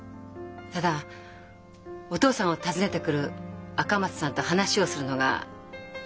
ただお父さんを訪ねてくる赤松さんと話をするのが楽しかった。